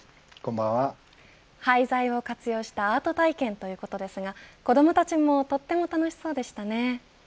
廃材を活用したアート体験ということですが子どもたちもとっても楽しそうでしたね。